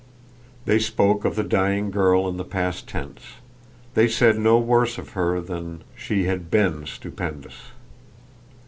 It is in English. They spoke of the dying girl in the past tense; they said no worse of her than that she had BEEN stupendous.